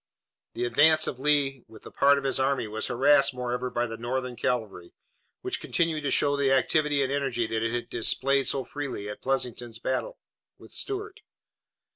The advance of Lee with a part of his army was harassed moreover by the Northern cavalry, which continued to show the activity and energy that it had displayed so freely at Pleasanton's battle with Stuart.